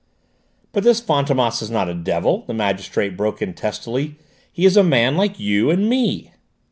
"But this Fantômas is not a devil," the magistrate broke in testily; "he is a man like you and me!"